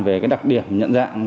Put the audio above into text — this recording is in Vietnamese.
về đặc điểm nhận dạng